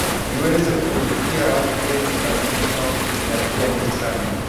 iweze kutumikia watu wengi na mimi kwangu ni hatua muhimu sana